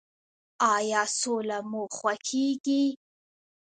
ایا سوله مو خوښیږي؟